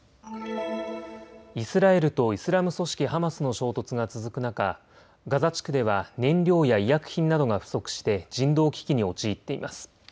イスラエルとイスラム組織ハマスの衝突が続く中、ガザ地区では燃料や医薬品などが不足して人道危機に陥っています。